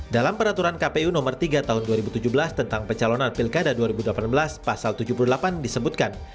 dalam peraturan kpu nomor tiga tahun dua ribu tujuh belas tentang pencalonan pilkada dua ribu delapan belas pasal tujuh puluh delapan disebutkan